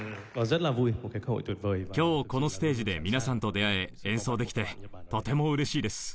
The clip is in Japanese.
今日このステージで皆さんと出会え演奏できてとても嬉しいです。